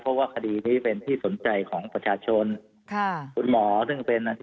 เพราะว่าคดีนี้เป็นที่สนใจของประชาชนค่ะคุณหมอซึ่งเป็น